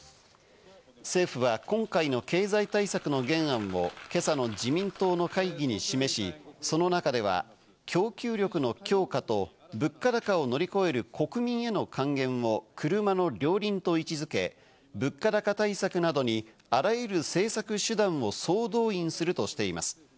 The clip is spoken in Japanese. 政府は今回の経済対策の原案を今朝の自民党の会議に示し、その中では供給力の強化と物価高を乗り越える国民への還元を車の両輪と位置付け、物価高対策などにあらゆる政策手段を総動員するとしています。